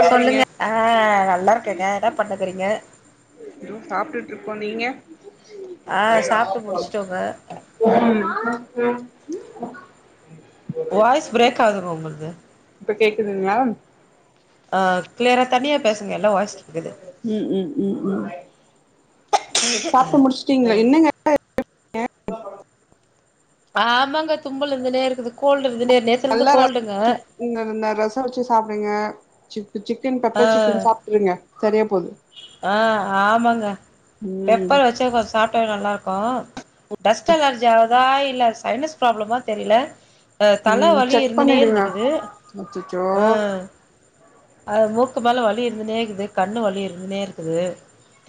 பண்றீங்க சொல்லுங்க ஆ நல்லா இருக்கேங்க என்ன பண்ணுக்கிறீங்க சாப்ட்டுட்டுருக்கோ நீங்க ஆ ம் சாப்ட்டு சாப்புறோ முடிச்சுட்டோங்க வாய்ஸ் பிரேக் ஆகுதுங்க உங்கள்து இப்ப கேக்குதுங்களா ஆ க்ளியரா தனியா பேசுங்க எல்லா வாய்ஸ் கேக்குது ம் ம் ம் ம் சாப்ட்டு முடிச்சுட்டீங்களா என்னங்க ஆமாங்க தும்பல் இருந்துனே இருக்குது கோல்டு இருந்துனே இரு நேத் நல்லா ரச் ந ந ரசோ வச்சு சாப்டுங்க சிக்கு சிக்கன் ஆ பெப்பர் சிக்கன் சாப் ட்ருங்க சரியா போது ஆ ஆமாங்க ம் பெப்பர் வச்ச கொஞ்சோ சாப் ட்டா நல்லா இருக்கு டஸ்ட் அலர்ஜி ஆகுதா இல்ல சைனஸ் ப்ராப்ளமா தெரில அ தல ம் வலி செக் இருந்துனே பண்ணிடுங்க இருந்துக்குது அச்சச்சோ ஆ அது மூக்கு மேல வலி இருந்துனேருக்குது கண்ணு வலி இருந்துனேருக்குது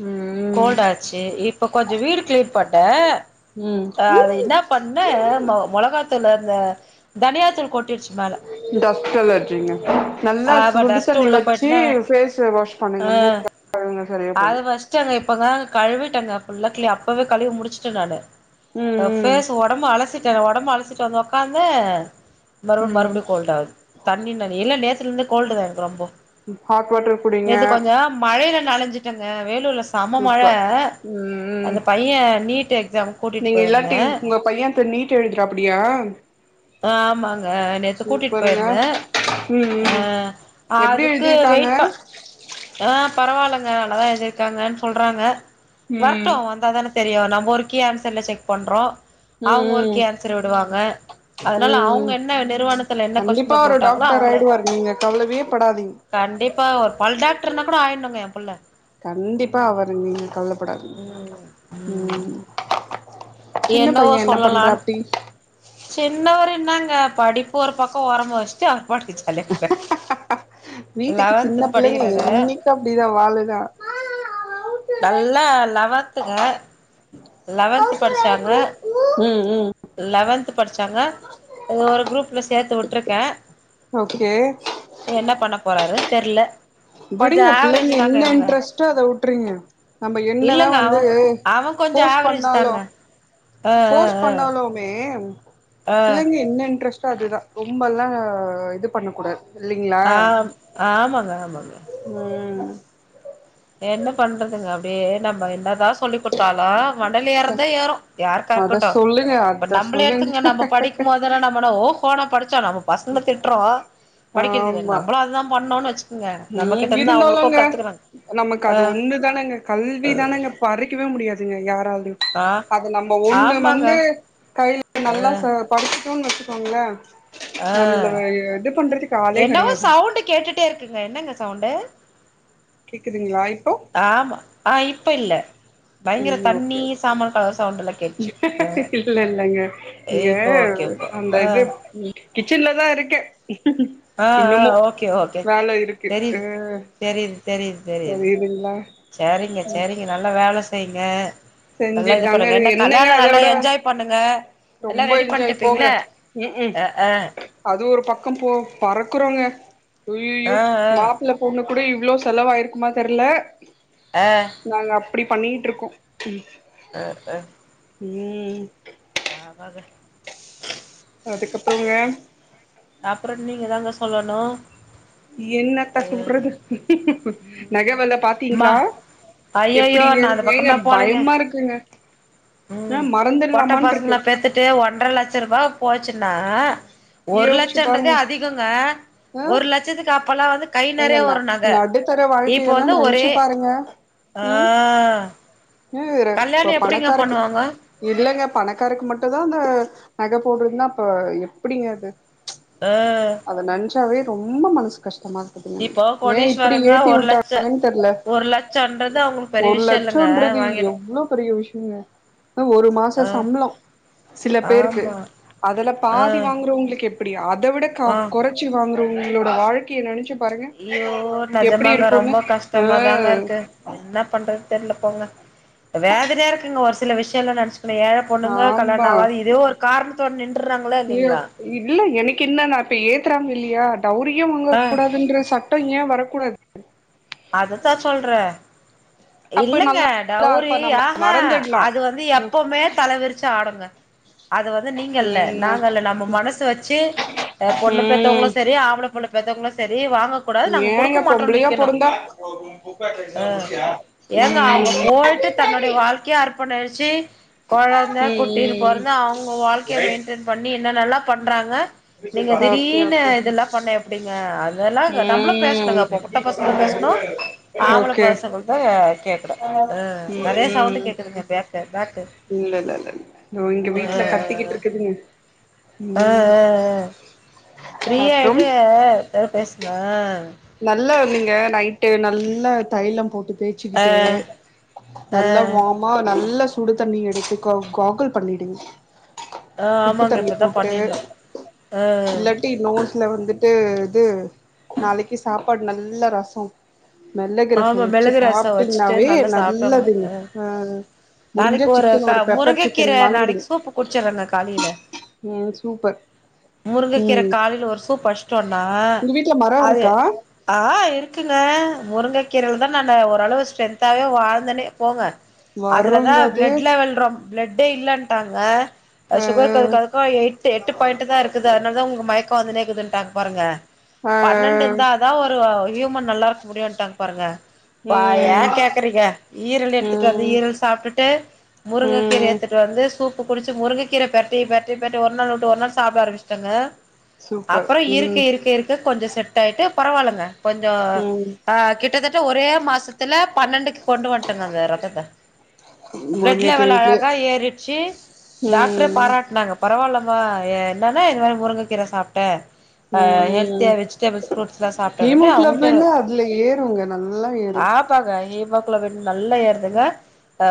ம் கோல்ட் ஆச்சு இப்ப கொஞ்சோ வீடு க்ளீன் பண்ணே ம் அது இன்னா பண்ணே மொ மொளகாத்தூள் அந்த தனியாத்தூள் கொட்டிடுச் மேல டஸ்ட் அலர்ஜிங்க நல்லா ஆ அப்ப சுடு டஸ்ட்டு தண்ணி உள்ள வச்சு போயிட்டுன்னு ஃபேஸ வாஷ் பண்ணுங்க அ மூக்ல அத ஃபஸ்ட்டு அங்க இப்பதாங் கழுவிட்டேங்க ஃபுல்லா க்ளீ அப்பவே கழுவி முடிச்ட்டே நானு அ ம் ஃபேஸ் ஒடம்பு அலசிட்டே ஒடம்பு அலசிட்டு வந்து ஒக்காந்தே மறுப் ம் ம் மறுப்டியு கோல்ட் ஆகுது தண்ணிணன்ணி இல்ல நேத்துலருந்தே கோல்டு தா எனக்கு ரொம்போ ஹாட் வாட்டர் குடிங்க நேத்து கொஞ்சோ மழையில நனஞ்சிட்டேங்க வேலூர்ல செம்ம மழ சூப்பர் ம் ம் அந்த பய்யே நீட் எக்ஸாம் கூட்டிட் நீங்க இல்லாட்டி போயிருந்தே உங்க பையன் இப்ப நீட் எழுதுறாப்டியா ஆ ஆமாங் க நேத்து கூட்டிட்டு சூப்பருங்க போயிருந்தே ம் ஆ ம் எப்டி அதுக்கு எழுதிருக்காங்க வெய்ட் ப ஆ பரவால்லங்க நல்லா எழுதி இருக்காங்கன்னு சொல்றாங்க ம் வரட்டு வந்தாதான தெரியு நம்ம ஒரு கீ ஆன்சர்ல செக் பண்றோ அவுங்க ஒரு ம் ம் கீ ஆன்சர் விடுவாங்க அதனால ம் அவுங்க என்ன நிறுவனத்துல என்ன கொஸ்டின் கண்டிப்பா பேப்பர் ஒரு விட்டாங்களோ டாக்டர் அவுங்களே ஆயிடுவாரு நீங்க கவலவே படாதீங்க கண்டிப்பா ஒரு பல் டாக்டர்னா கூட ஆயிடுனுங்க எ புள்ள கண்டிப்பா ஆவாரு நீங்க கவல படாதீ ம் ம் சின்ன என்னவோ பையன என்ன பண்றா சொல்லலான் அப்டி சின்னவரு என்னாங்க படிப்பு ஒரு பக்க ஓரமா வச்சுட்டு அவர் [unintelligible] வீட்டுக்கு சின்ன லெவன்த் பிள்ளைங்க படிக்கிறாரு எல்லாமே இப்ப அப்டிதா வாலுதா நல்லா லெவன்துங்க லெவன்து படிச்சாங்க ம் ம் லெவன்த்து படிச்சாங்க அது ஒரு குரூப்புல சேத்து விட்ருக்கே ஓகே என்ன பண்ண போறாருன்னு தெர்ல கொஞ்சோ விடுங்க ஆவரேஜ் பிள்ளைங்க தாங்க என்ன இவங்க இன்ட்ரெஸ்ட்டோ அத உட்டுறுங்க நம்ப என்னதா இல்லங்க வந்து அவங்க அவ கொஞ்சோ ஃபோர்ஸ் ஆவரேஜ் பண்ணாலு தாங்க ஆ ஃபோர்ஸ் ஆ பண்ணாலுமே ஆ ஆ பிள்ளைங்க என்ன இன்ட்ரெஸ்ட்டோ அதுதா ரொம்பல்லா இது பண்ண கூடாது இல்லைங்களா ஆ ஆமாங்க ஆமாங்க ம் என்ன பண்ணுறதுங்க அப்டியே நம்ம என்ன தா சொல்லி குடுதாலு மண்டல ஏறதா ஏறும யாருக்கா அத இருக்கட்டு சொல்லுங்க இப்ப அத நம்பளே சொல்லுங்க எத்துங்க நம்ம படிக்கு போது என்ன நம்மன ஓஹோனா படிச்சோ நம்ம பசங்கள திட்டுறோ படிக்கிறதில்லனு ஆமா நம்மளு அததா பண்ணோன்னு வச்சுக்குங்க நம்ம ம் கிட்ட இருந்து இருந்தாலுங்க அவுங்களுக்கு கத்துக்குறாங்க நமக்கு அது ஒண்ணுதானங்க கல்வி தானேங்க பறிக்கவே முடியாதுங்க யாராலயு ஆ ஆ அது நம்ம ஒண்ணு ஆமாங்க வந்து கையில ஆ நல்லா படிச்சுட்டோன்னு வச்சுக்கோங்களே ஆ நம்மள இது பண்றதுக்கு ஆளே என்னவோ கெடையாது சவுண்டு கேட்டுட்டே இருக்குங்க என்னங்க சவுண்டு கேக்குதுங்களா இப்போ ஆமா ஆ இப்ப இல்ல பயங்கர ம் தண்ணி ஓகே சாமான் கழுவ சவுண்டல்லா கேட்சு அ ஓகே இல்ல இல்லங்க ஏ இங்க இப்போ ஓகே இப்ப அந்த ஆ இது கிச்சன்ல தா இருக்கே ஆ ஆ இன்னுமு ஓகே ஓகே வேல இருக்கு தெரிது அ தெரிது தெரிது தெரிது சரி இதுங்களா சரிங்க சரிங்க நல்லா வேல செய்யுங்க நல்லா செஞ்சுட்டு இது தாங்க பண்ணுங்க என்ன என்னங்க கல்யாண அத நாளா விட என்ஜாய் பண்ணுங்க எல்லா ரொம்ப ரெடி பண்ணிட்டு என்ஜாய் இருப்பிங்கள போங்க ம் ம் அ ஆ அது ஒரு பக்கோ போ பறக்குறோங்க அய்யயோ ஆ ஆ மாப்புள்ள பொண்ணு கூட இவ்ளோ செலவாயிருக்குமா தெர்ல அ நாங்க அப்டி பண்ணிட்டு இருக்கோ அ அ ம் ஆ [unintelligible] அதுக்கப்றொங்க அப்றொ நீங்க தாங்க சொல்லணு என்னத்த அ சொல்றது நக ம் வெல மா பாத்தீங்ளா ஐயையோ நா அந்த எப்புடிஏறுது ஏங்க பக்கமே போலங்க பயம்மாருக்குங்க அ மறந்துட்லாமான்ருக்கு கே ஒன்றர லட்சர்பா போச்சுன்னா ஒர்லட் யோசிச்சு ச்சன்றதே பாருங்க அதிகங்க ஆ ஒரு லட்சத்துக்கு அப்பல்லா வந்து ஏங்க கைநெறைய ந வரு நக நடுத்தர வாழ்க்கையெல்லா இப்போவந்து ஒரே நெனச்சு பாருங்க அ நீஇரு ப்ப பணக்காருக்கு இல்லங்க பணக்காரக்கு மட்டுதா அந்த நக போட்றதுன்னா அப்பொ எப்புடிங்க அது அ அத நென்ச்சாவே ரொம்ப மனசு கஷ்டமா இப்போ ஏ இப்படி கோடீஸ்வரங்க ஒரு லட்ச ஏத்திவிட்டாங்கன் தெர்ல ஒரு லட்சன்றது அவங்களுக்கு பெரிய ஒரு விஷயோ இல்லங்க லட்சம்ன்றது வாங்கிடு எவ் வ்ளோ பெரிய விஷ்யங்க அ ஒரு ஆ மாசசம்ப்ளோ சிலபேருக்கு ஆமா அதுல ஆ பாதி வாங்குறவங்களுக்கு எப் புடி அத விட கம் ஆ கொறச்சி வாங்கறவங்களோட வாழ்க்கய நென்ச்சு பாருங்க ஐயோ எப்டி நெஜமாங்க இருக்குன்னு ரொம்ப கஷ்டமாதாங்க இர்க்கு என்ன பண்றது தெர்ல போங்க வேதன்யா இருக்குங்க ஒர் சில விஷ்யலா நென்ச்சுக்குனு ஏழ ஆ பொண்ணுங்க கல்யாணோ ஆமா ஆகாது இதே ஒரு காரணத்தோடு நின்றுறாங்களா ஐயோ இல்லிங்ளா இல்ல எனக் என்னான்னா இப்ப ஏத்துறாங்க இல்லியா டௌரியு வாங்க ஆ கூடாதுன்ற சட் ட்ட ஏ வரக்கூடாது அதத்தா சொல்ற அப்ப இல்லங்க நல்லா டௌரி அப்ப நம்ம ஆஹா மறந்துடலா அதுவந்து எப்பவுமே தலவிரிச்சு ஆடுங்க அது வந்து நீங்கல்ல என்ன நாங்கல்ல நம்ப மனசுவச்சு பொண்ணப் பெத்தவ்ங்களு ம் சரி ஆம்புள புள்ள பெத்தவ்ங்களு செரி வாங்கக் ஏங்க பொம்புளையா பொருந்தா அ ஏங்க அவுங்க ம் போய்ட்டு தன்னுடைய வாழ்க்கெயா அர்ப் பண்ணச்சு கொழந்த குட்டி பொறந்து அவுங்க வாழ்க்கைய மெயின் டென் பண்ணி என்னென்ல்லா பண்றாங்க நீங்க ஓகே திடீர்னு ஓகே இதெல்லா பண்ண எப்டிங்க அதெல்லா நம்ப்ளு ம் பேசணுங்கப் பொப் பொட்ட பசங்கள பேஸ் னு ஆம்பள ஓகே பசங்கள்து கேக் குனு அ நெறைய சவுண்ட் கேக்குதுங்க பேக்கு பேக்கு இல்லல்ல இல்ல தோ இங்க ஆ வீட்டுல கத்திக்கிட்டுருக்குதுங்க அ அ அ ஃப்ரீ ஆய்ட்டு அப்றம் அ பேஸ் பேஸ்ன நல்ல நீங்க நைட்டு நல்ல தைலம் போட்டு தேய் ஆ ச்சுக்குட்டு ஆ நல்ல வாம் மா நல்ல சுடுதண்ணி எடுத்து கோ காகுள் பண்ணிடுங் ஆ உப்பு ஆமாங்க தண்ணி இப்பதா போட்டு பண்ணிருந்தோ ஆ இல்லாட்டி இன்னு ல்ல வந்துட்டு இது நாளைக்கு சாப்பாட் நல்லரசொ மெளகு ரசொ ஆமா வெச்சு மிளகு ரசோ வச்சுட்டு சாப்ட்டீங்ன்னாவே நல்லா சாப்ட்டோங்க நல்லதுங்க அ முடிஞ்சா நாளைக்கு சிக்கன் க ஒரு பெப்பர் முருங்கக்கீர சிக்கன் வாங்கிடுங் நாளைக்கு சூப்பு குடிச்சர்றேங்க காலையில ம் சூப்பர் முருங்கக்கீர ம் காலைல ஒரு சூப் அடிச்சட்டோன்னா உங்க வீட்ல மரோ அது இருக்கா ஆ இருக்குங்க முருங்கக்கீரல்தா நானு ஓரளவு ஸ்ட்ரென்த்தாவே வாழ்ந்தனே போங்க அதுலதா மரோங்க அது பிளட் லெவல் ரொம் பிளட்டே இல்லன்ட்டாங்க ஆ அது சுகருக்கு அதுக்கு அதுக்கு எட்டு எட்டு பாயிண்ட் தா இருக்குது அதனால தான் உங்க மயக்க வந்துனேக்குதுன்ட்டாங்க பாருங்க ஆ பன்னெண்டு இருந்தா தா ஒரு ஹியூமன் நல்லா இருக்க முடியும்ட்டாங்க பாருங்க பா ஏ ம் கேக்குறீங்க ஈரல் எடுத்துட்டு வந்து ம் ஈரல் சாப்டுட்டு முருங்க கீர ம் எடுத்துட்டு வந்து சூப் குடிச்சு முருங்கக்கீர பெரட்டி பெரட்டி பெரட்டி ஒரு நாள் விட்டு ஒரு நாள் சாப்ட ஆரம்பிச்சிட்டங்க சூப்பர் அப்பற இருக்க ம் இருக்க இருக்க கொஞ்ச செட் ஆயிட்டு பரவாயில்லைங்க கொஞ்ச ம் ஆ கிட்டத்தட்ட ஒரே மாசத்துல பன்னெண்டுக்கு கொண்டு வந்துட்டேங்க அந்த ரத்தத்த ப்ளட் முருங்கக்கீர லெவல் இட்லி அழகா ஏறிட்ச்சு டாக்டர ம் பாராட்னாங்க பரவால்லமா என்னன்னா இனிமேல் மாதிரி முருங்க கீர சாப்ட்ட அ ம் ம் ஹெல்தியா வெஜிடபிள்ஸ் ஃபுரூட்ஸ் எல்லா சாப்ட்ட அவங்க ஹீமோகுளோபின்னு அதுல ஏறுங்க நல்லா ஆ ஏறும் ப்ப ஹீமோகுளோபின் நல்லா ஏருதுங்க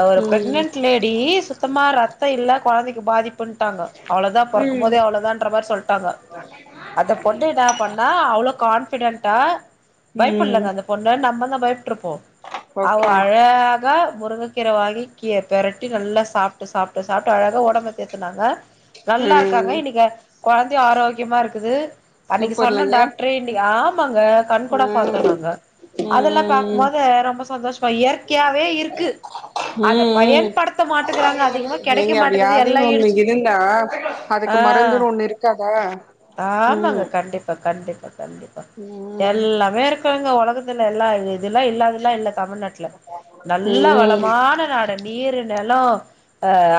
ஒரு ம் பிரெக்னன்ட் லே டி சுத்தமா ரத்த இல்ல கொழந்தைக்கு பாதிப்பு அப்புன்ட்டாங்க அவ்ளோதா பொறக்கும் போதே அவ்ளோதான்ற மாரி சொல்ட்டாங்க ஆ அந்த பொண்ணு என்னா பண்ணா அவ்ளோ கான்ஃபிடென்டா ம் பயப்படலங்க அந்த கொண்டா நம்ம தா பயப்பட்ருப்போ அவ ஓகே அழகா முருங்கக் கீர வாங்கி கீ பெரட்டி நல்லா சாப்ட்டு சாப்ட்டு சாப்ட்டு அழகா ஒடம்ப தேத்துனாங்க நல்லா இருக்காங்க ம் இன்னைக்கு கொழந்தையு ஆரோக்கியமா இருக்குது அன்னைக்கு சொன்னன் சூப்பர்லங்க டாக்டரே இன்னைக் ஆமாங்க கண் கூட ஆ பாத்தோ ம் நாங்க அதெல்லா ம் ம் பாக்கும்போது ரொம்ப சந்தோஷமா இயற்கையாவே இருக்கு அத ம் ம் பயன்படுத்த மாட்டேக்கிறாங்க அதிகமா கெடைக்க எங்க அப்படி மாட்டேக்குது எல்லா யாதினு ஒண்ணு இடிச்சு இருந்தா ஆ அதுக்கு மருந்துன் ஒண்ணு இருக்காதா ஆமாங்க கண்டிப்பா கண்டிப்பா கண்டிப்பா ம் ம் எல்லாமே இருக்குங்க ஒலகத்துல எல்ல இதுல்லா இல்லாதுலா இல்ல தமிழ்நாடுல நல்லா வளம் ம் மான நாடு நீரு நெலோ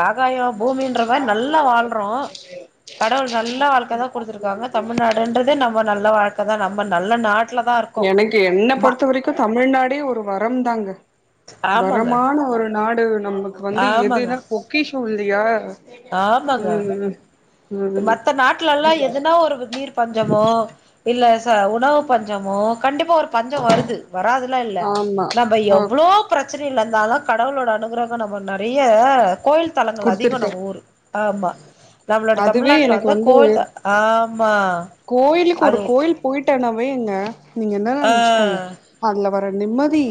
ஆகாய பூமி [unintelligible] கடவுள் நல்ல வாழ்க்க தா குடுத்திருக்காங்க தமிழ்நாடுன்றதே நம்ம நல்ல வாழ்க்க தா நம்ம நல்ல நாட்ல தா இருக் எனக்கு என்ன பொருத்த வரைக்கு தமிழ்நாடே ஒரு வரம் தாங்க ஆமாங்க வரமான ஒரு நாடு நமக்கு வந்து எதுன்னா பொக்கிஷோ இல்லயா ஆமாங்கா ம் மத்த நாட்லல்லா எதனா ஒரு நீர் பஞ்சமோ இல் இல்ல சா உணவு பஞ்சமோ கண்டிப்பா ஒரு பஞ்ச வருது வராதுலா இல்ல ஆமா நம்ம ஆ எவ்ளோ பிரச்சனைல இருந்தாலு கடவுளோட அனுகரகம் நம்ம நெறைய கோயில் தளங்கள் அதிகோ குடுத்துருக்கே நம்ம ஊரு ஆமா நம்ளடத் இதுவே எனக்கு வந்து கோயிலுக்கு ஒரு அது கோய் யில் போயிட்டனாவேங்க நீங்க என்ன ஆ நெனைச்சுக்கோங்க அதுல வர நிம்மதி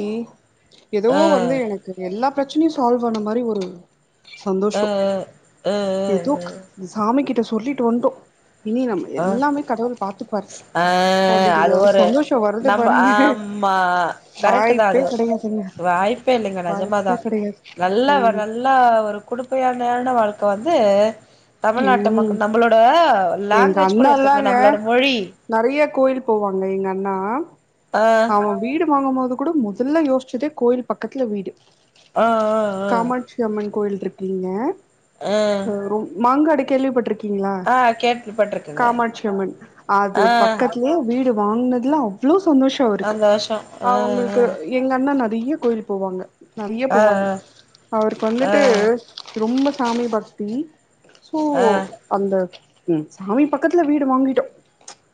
ஏதோ ஆ வந்து எனக்கு எல்லா பிரச்சனையு சால்வ் ஆன மாரி ஒரு சந்தோஷ ஆ ஆ ஆ ஏதோ ஆ சாமி கிட்ட சொல்லிட்டு வந்தோ இனி நம்ம எல்லாமே கடவுள் பாத்துக்குவாரு அ அப்டிங்கிற அது ஒரு சந்தோஷோ வருது நம்ப பாருங்க ஆமா கரெட்டு தா வாய்ப்பே அது கெடையாதுங்க வாய்ப்பே இல்லங்க நெஜமாதா வாய்ப்பே கெடையாது நல்ல நல்ல ஆமா நல்லா ஒரு குடுப்பையானான வாழ்க்க வந்து தமிழ்நாட்ட மக்க ம் நம்மளோட எங்க லாங்குவேஜ் கூட எடுத்துக்கங்க அண்ணாலாங்க நம்மளோட மொழி நெறைய கோயில் போவாங்க எங்க அண்ணா ஆ அவ வீடு வாங்கும்போது கூட மு நல்ல யோசிச்சதே கோயில் பக்கத்துல வீடு ஆ ஆ ஆ காமாட்சி அம்மன் கோயில் இருக்கீங்க ஆ அ ரொ மாங்காடு கேள்விப்பட்டிருக்கீங்க பாத்திங்களா ஆ கேள்விப்பட்டிருக்கங்க காமாட்சி அம்மன் அது ஆ பக்கத்திலயே வீடு வாங்கினதுல அவ்வளோ சந்தோஷ இருக்கு அந்த வருஷோ ஆ அவங்களுக்கு எங்க அண்ணா நெறைய கோயில் போவாங்க நெறைய ஆ போவாங்க அவருக்கு ஆ வந்துட்டு ரொம்ப சாமி பக்தி சோ ஆ ஆ அந்த ம் சாமி பக்கத்துல வீடு வாங்கிட்டோ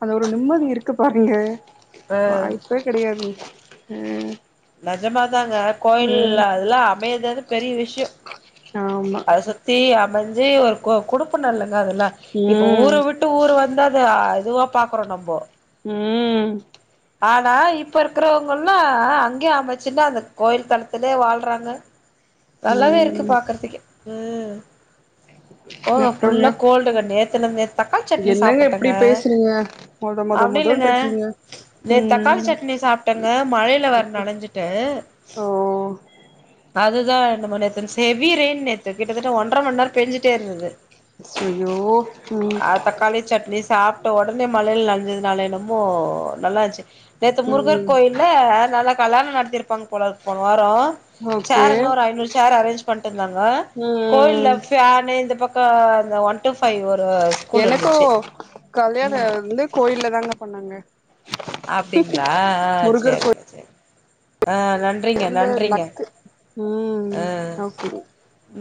அந்த ஒரு நிம்மதி இருக்கு பாருங்க ஆ வாய்ப்பே கெடையாது ஆ நெஜமாதாங்க கோயில்ல அதெல்லா அமய்தது பெரிய விஷிய ஆமா சுத்தி அமைஞ்சு ஒரு கு குடுப்புன இல்லங்க அதெல்லா இப்ப ஊர ம் விட் டு ஊர் வந்து அது அதுவா பாக்குறோ நம்போ ம் ஆனா இப்ப இருக்கிறவங்கல்லா அங்கயே அமைச்சுன்னா அந்த கோயில் தளத்திலயே வாழ்றாங்க [inaudible] நல்லாவே இருக்கு ம் பாக்குறதுக்கு ம் ஓ அப்றோங்க புல்லா கோல்டு க நேத் துல இந்த தக்காளி சட்னி என்னங்க இப்டி சாப்டங்க பேசுறீங்க மொத மொத அப்டி இல்லங்க மொதன்ட்டு இருக்கீங்க நேத்து தக்காளி ம் சட்னி சாப்ட்டங்க மழையில வர நனைைஞ்சிட்ட ஓ அதுதா நம்ம நேத்து எவி ரெயன் நேத் து கிட்டத்தட்ட ஒன்ற மண்நேர பேஞ்சுட்டே இருந்தது ஐயோ ம் ஆ தக்காளி சட்னி சாப் ட ஒடனே மலையில நனைஞ்சதுனால என்னமோ நல்லாருச்சு நேத்து முருகர் ம் கோயில் இல்ல நல்லா கலயாணம் நடத்திருப்பாங்க போலக்கு போன வாரோ ஓகே சேரங்க ஒரு ஐநூறு சேர் அரேஞ்ச் பண்ணிட் இருந்தாங்க கோய்ல ம் பேனு இந்த பக் க அந்த ஒன் டூ ஃபைவ் ஒரு ஸ்கூல் இருந்துச்சு கல்யாண ம் வந்து கோயில தாங்க பண்ணாங்க அப்டிங்களா ஆ முருகர் சரிங்க சரிங்க ஆ நன் றிங்க கோயில் இந்த நன்றிங்க லக்கு ம் அ ஓகே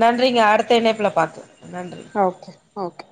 நன்றிங்க அடுத்த இணைப்புல பாக்கலா நன்றி ஓகே ஓகே